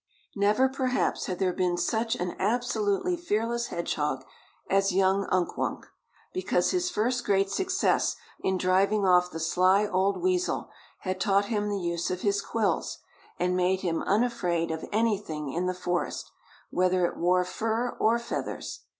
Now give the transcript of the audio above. Never, perhaps, had there been such an absolutely fearless hedgehog as young Unk Wunk, because his first great success in driving off the sly old weasel had taught him the use of his quills, and made him unafraid of anything in the forest, whether it wore fur or feathers.